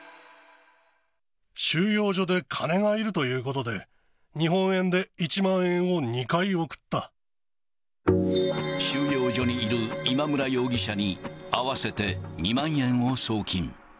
収容所で金がいるということ収容所にいる今村容疑者に、合わせて２万円を送金。